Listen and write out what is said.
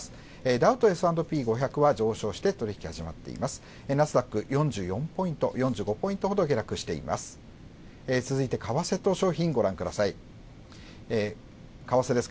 ダウとＳ＆Ｐ５００指数は上昇して取引が始まっています。